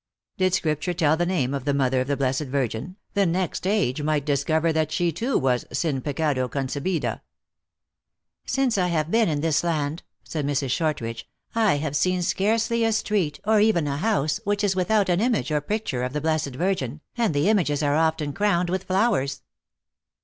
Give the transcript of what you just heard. Did Scripture tell the name of the mother of the blessed Virgin, the next age m^ght discover that she too was sin pecado concclnda? :" Since I have been in this land," said Mrs. Short ridge," I have seen scarcely a street, or even a house, which is without an image or picture of the blessed Virgin, and the images are often crowned with flow ers."